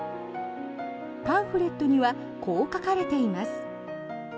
パンフレットにはこう書かれています。